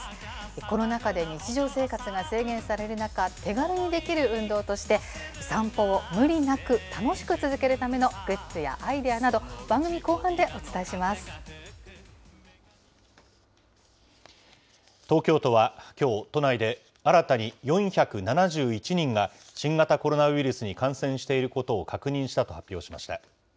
コロナ禍で日常生活が制限される中、手軽にできる運動として、散歩を無理なく、楽しく続けるためのグッズやアイデアなど、番組後東京都はきょう、都内で新たに４７１人が新型コロナウイルスに感染していることを確認したと発表しました。